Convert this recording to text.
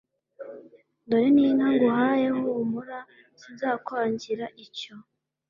Dore n'inka nguhaye humura sinzakwangira icyo